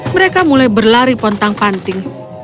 mereka mulai berlari pontang panting